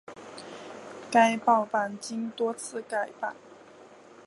该报经多次改版。